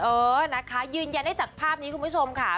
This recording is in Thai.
เออนะคะยืนยันได้จากภาพนี้คุณผู้ชมค่ะ